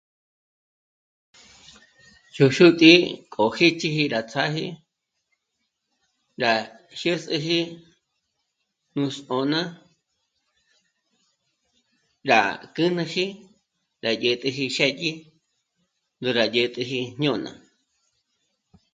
Yó xútǐ'i k'o jích'i rí rá ts'áji rá jiês'eji nú zò'n'a rá k'ä̂nüji rá dyä̀t'äji xë́dyi ndà rá dyä̀täji jñôna